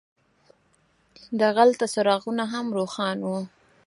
دغلته څراغونه هم روښان وو.